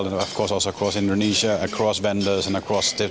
dan juga di indonesia di seluruh vendor dan di seluruh pelanggan dan ekosistem